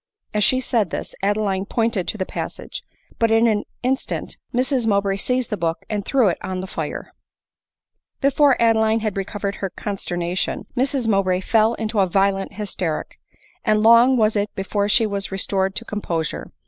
As she said this, Adeline pointed to the passage ; but in an in stan Mrs Mowbray seized the book and threw it on the fire.* 48 ADELINE MOWBRAY. Before Adeline had recovered her consternation, Mrs Mowbray fell into a violent hysteric ; and long was it before sne was restored to composure.